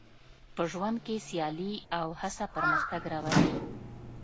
په ژوند کې سیالي او هڅه پرمختګ راولي.